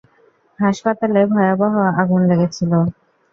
হাসপাতালে ভয়াবহ আগুন লেগেছিল!